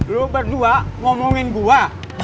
lu berdua ngomongin gua